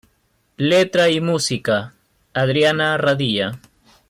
Letra y música: Adriana Radilla